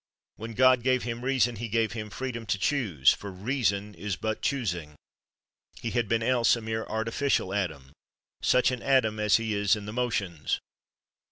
When God gave him reason, he gave him freedom to choose, for reason is but choosing ; he had been else a mere artificial Adam, such an Adam as he is in the motions.